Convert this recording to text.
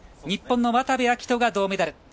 日本の渡部暁斗が銅メダル。